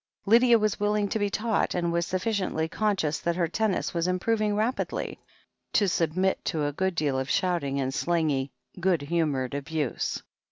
Lydia was willing to be taught, and was sufficiently conscious that her tennis was improv ing rapidly, to submit to a good deal of shouting and slangy, good htunoured abuse.